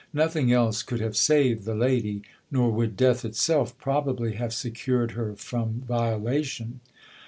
Nothing else could have saved the lady ; nor would death itself probably have secured her from violation.